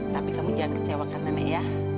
tapi kamu jangan kecewakan nenek ya